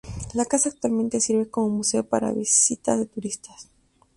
La casa actualmente sirve como museo para visitas de turistas.